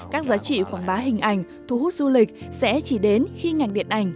các giá trị quảng bá hình ảnh thu hút du lịch sẽ chỉ đến khi ngành điện ảnh